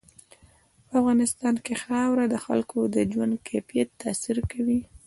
په افغانستان کې خاوره د خلکو د ژوند کیفیت تاثیر کوي.